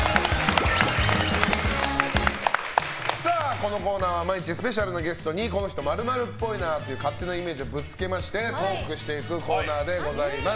このコーナーは毎日、スペシャルなゲストにこの人○○っぽいという勝手なイメージをぶつけましてトークしていくコーナーでございます。